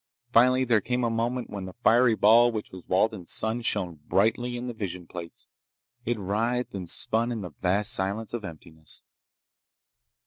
Finally, there came a moment when the fiery ball which was Walden's sun shone brightly in the vision plates. It writhed and spun in the vast silence of emptiness.